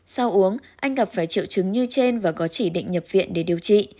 sau uống anh gặp phải triệu chứng như trên và có chỉ định nhập viện để điều trị